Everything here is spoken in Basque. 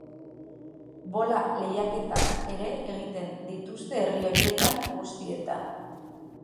Bola lehiaketak ere egiten dituzte herri horietan guztietan.